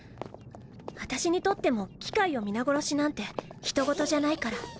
私にとっても機械を皆殺しなんて人ごとじゃないから。